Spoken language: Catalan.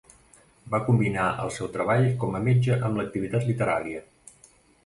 Va combinar el seu treball com a metge amb l'activitat literària.